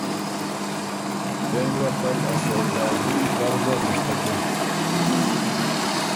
پېنځ وخته ل ا سوداګري بر زر هنشتکِن۔